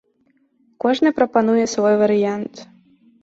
Кожны прапануе свой варыянт.